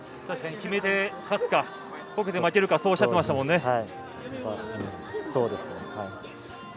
確かに、決めて勝つかこけて負けるかそうおっしゃっていましたもんね。